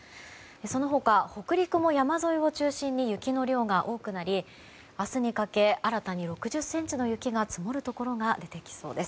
その他、北陸も山沿いを中心に雪の量が多くなり明日にかけ、新たに６０ｃｍの雪が積もるところが出てきそうです。